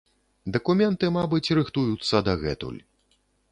Дакументы, мабыць, рыхтуюцца дагэтуль.